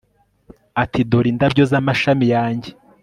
Ati Dore indabyo zamashami yanjye